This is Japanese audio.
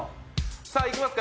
さあいきますか。